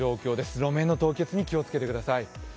路面の凍結に気をつけてください。